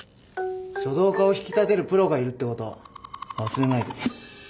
書道家を引き立てるプロがいるってこと忘れないでくれ。